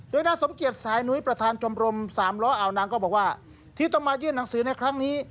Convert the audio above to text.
โดยนายสมเกียจสายนุ้ยประธานชมรมสามล้ออ่าวนางก็บอกว่าที่ต้องมายื่นหนังสือในครั้งนี้